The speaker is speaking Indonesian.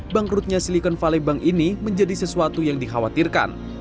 bankrutnya silicon valley bank ini menjadi sesuatu yang dikhawatirkan